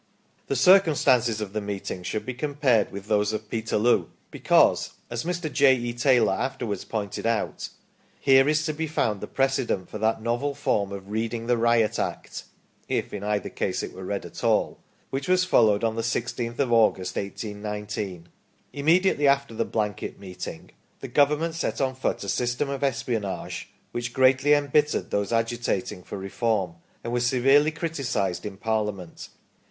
The circumstances of the meeting should be compared with those of Peterloo, because as Mr. J. E. Taylor afterwards pointed out :" Here is to be found the precedent for that novel form of reading the Riot Act (if in either case it were read at all) which was followed on the 1 6th of August, 1819". Immediately after the Blanket meeting, the Government set on foot a system of espionage, which greatly em bittered those agitating for Reform, and was severely criticised in Par liament.